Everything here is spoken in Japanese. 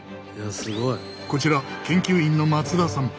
こちら研究員の松田さん。